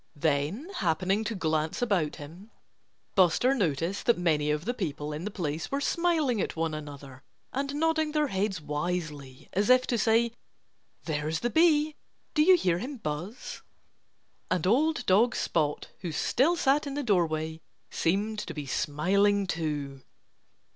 Then, happening to glance about him, Buster noticed that many of the people in the place were smiling at one another and nodding their heads wisely, as if to say: "There's the bee! Do you hear him buzz?" And old dog Spot, who still sat in the doorway, seemed to be smiling, too.